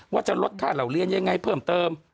ว่าจะลดค่าเหล่าเรียนยังไงเพิ่มเติม